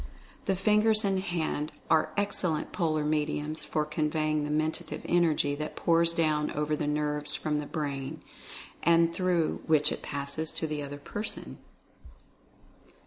The fingers and hand are excellent polar mediums for conveying the Mentative Energy that pours down over the nerves from the Brain, and through which it passes to the other person.